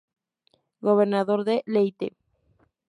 Gobernador de Leyte.